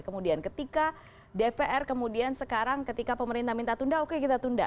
kemudian ketika dpr kemudian sekarang ketika pemerintah minta tunda oke kita tunda